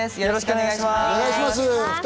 よろしくお願いします。